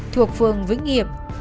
thuộc phường vĩnh nghiệp